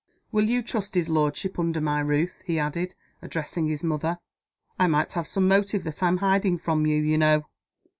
Will you trust his lordship under my roof?" he added, addressing his mother. "I might have some motive that I'm hiding from you, you know!"